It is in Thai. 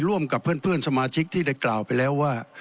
ร่วมกับเพื่อนสมาชิกที่ได้กล่าวไปแล้วว่า